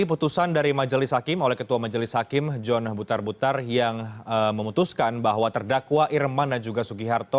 akan difikirkan dulu atau akan berkonsultasi